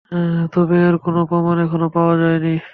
তবে এর কোনো প্রমাণ এখনো পাওয়া যায়নি।